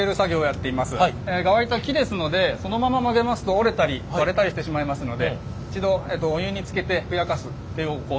側板は木ですのでそのまま曲げますと折れたり割れたりしてしまいますので一度お湯につけてふやかすっていう工程があります。